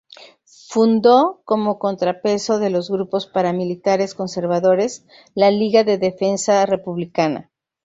Fundó, como contrapeso de los grupos paramilitares conservadores, la Liga de Defensa Republicana.